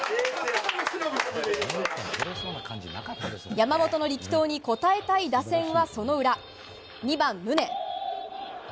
山本の力投に応えたい打線はその裏、２番、宗。